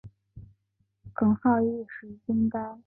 耿浩一时惊呆。